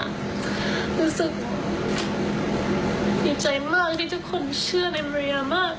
รู้สึกดีใจมากที่ทุกคนเชื่อในเรียมาก